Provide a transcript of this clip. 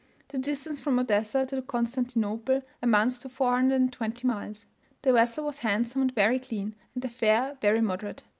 The distance from Odessa to Constantinople amounts to 420 miles. The vessel was handsome and very clean, and the fare very moderate.